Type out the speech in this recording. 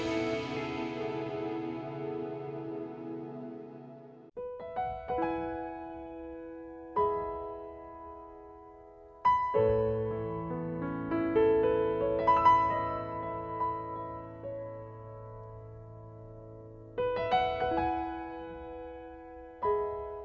วันใดผมไม่มีแรง